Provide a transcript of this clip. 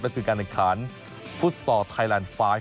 ก็คือการดังคลานฟุตซอร์ไทยแลนด์๕